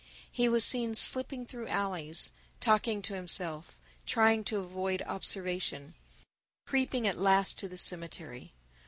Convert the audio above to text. He was seen slipping through alleys, talking to himself, trying to avoid observation, creeping at last to the cemetery.